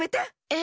え？